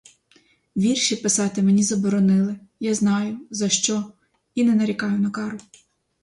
Вірші писати мені заборонили — я знаю, за що і не нарікаю на кару.